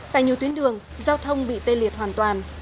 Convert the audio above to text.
tại nhiều tuyến đường giao thông bị tê liệt hoàn toàn